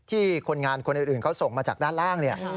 คนงานคนอื่นเขาส่งมาจากด้านล่าง